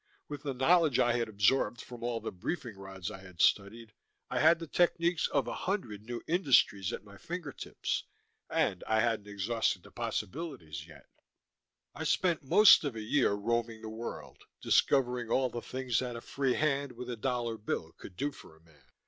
With the knowledge I had absorbed from all the briefing rods I had studied, I had the techniques of a hundred new industries at my fingertips and I hadn't exhausted the possibilities yet. I spent most of a year roaming the world, discovering all the things that a free hand with a dollar bill could do for a man.